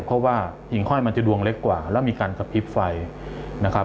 เพราะว่าหิ่งห้อยมันจะดวงเล็กกว่าแล้วมีการกระพริบไฟนะครับ